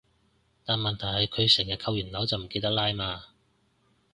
但問題係佢成日扣完鈕就唔記得拉嘛